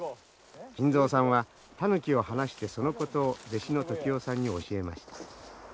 金蔵さんはタヌキを放してそのことを弟子の時男さんに教えます。